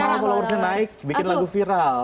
kalau followersnya naik bikin lagu viral